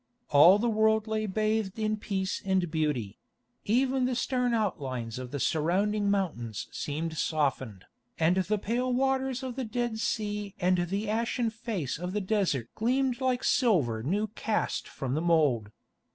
All the world lay bathed in peace and beauty; even the stern outlines of the surrounding mountains seemed softened, and the pale waters of the Dead Sea and the ashen face of the desert gleamed like silver new cast from the mould.